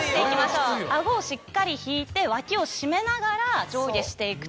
顎をしっかり引いて脇を締めながら上下していくと。